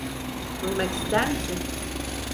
Duymak ister misin?